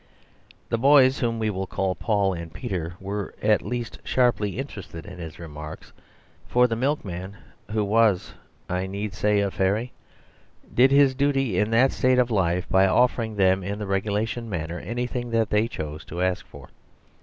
The boys, whom we will call Paul and Peter, were at least sharply interested in his remarks. For the milkman (who was, I need say, a fairy) did his duty in that state of life by offering them in the regulation manner anything that they chose to ask for.